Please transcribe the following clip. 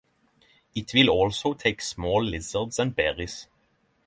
It will also take small lizards and berries.